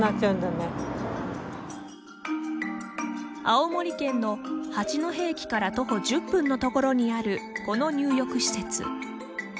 青森県の八戸駅から徒歩１０分の所にあるこの入浴施設。